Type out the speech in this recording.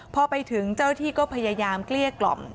พอไปถึงเจ้าที่ก็พยายามเกลี้ยกล่อม